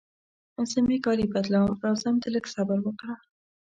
زه مې کالي بدلوم، راځم ته لږ صبر وکړه.